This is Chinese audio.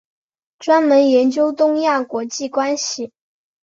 专门研究东亚国际关系。